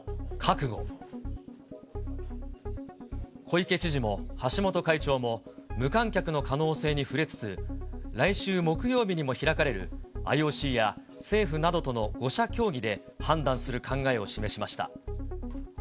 小池知事も橋本会長も、無観客の可能性に触れつつ、来週木曜日にも開かれる、ＩＯＣや政府などとの５者協議で判断する考えを示しました。